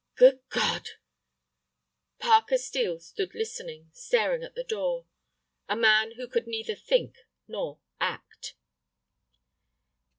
"Good God—!" Parker Steel stood listening, staring at the door, a man who could neither think nor act.